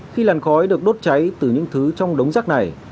khi làn khói được đốt cháy từ những thứ trong đống rác này